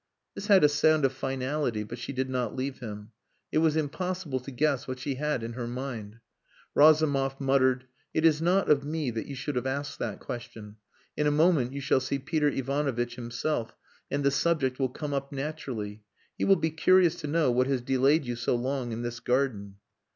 This had a sound of finality, but she did not leave him. It was impossible to guess what she had in her mind. Razumov muttered "It is not of me that you should have asked that question. In a moment you shall see Peter Ivanovitch himself, and the subject will come up naturally. He will be curious to know what has delayed you so long in this garden."